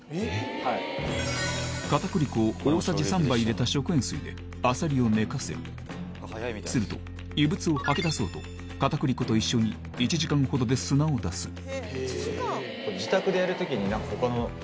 片栗粉を大さじ３杯入れた食塩水でアサリを寝かせるすると異物を吐き出そうと片栗粉と一緒にとかっていう経験ないですか？